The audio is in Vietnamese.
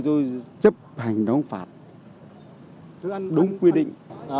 tôi chấp hành đóng phạt đúng quy định